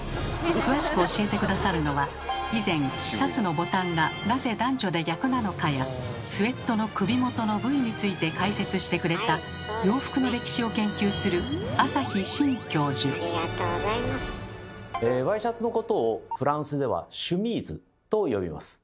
詳しく教えて下さるのは以前「シャツのボタンがなぜ男女で逆なのか？」や「スウェットの首元のＶ」について解説してくれた洋服の歴史を研究するワイシャツのことをフランスでは「シュミーズ」と呼びます。